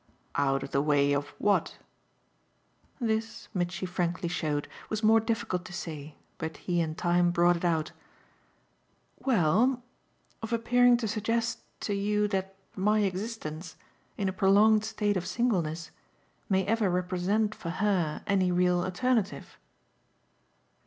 "Out of the way of what?" This, Mitchy frankly showed, was more difficult to say, but he in time brought it out. "Well, of appearing to suggest to you that my existence, in a prolonged state of singleness, may ever represent for her any real alternative."